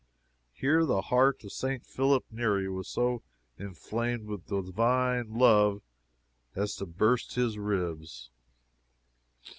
"Here the heart of St. Philip Neri was so inflamed with divine love as to burst his ribs."